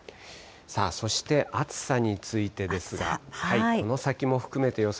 そして、暑さについてですが、この先も含めて予想